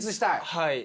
はい。